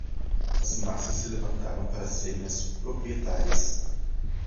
As massas se levantaram para serem as proprietárias